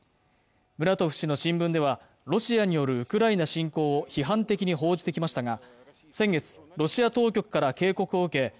ムラトフ氏の新聞ではロシアによるウクライナ侵攻を批判的に報じてきましたが先月ロシア当局から警告を受け